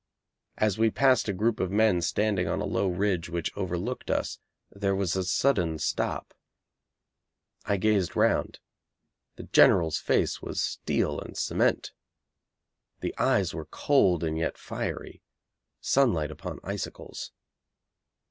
As we passed a group of men standing on a low ridge which overlooked us there was a sudden stop. I gazed round. The General's face was steel and cement. The eyes were cold and yet fiery, sunlight upon icicles.